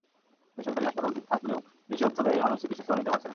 বেসরকারি হাসপাতাল থাকলেও বেশি অর্থ ব্যয়ে মানুষ চিকিৎসাসেবা নিতে পারছে না।